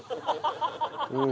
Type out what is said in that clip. うん。